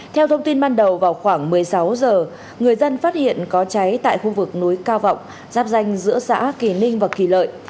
theo thông tin ban đầu vào khoảng một mươi sáu h người dân phát hiện có cháy tại khu vực núi cao vọng giáp danh giữa xã kỳ ninh và kỳ lợi